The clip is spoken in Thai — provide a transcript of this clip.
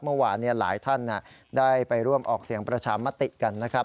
เมื่อวานหลายท่านได้ไปร่วมออกเสียงประชามติกันนะครับ